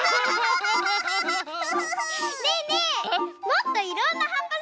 もっといろんなはっぱ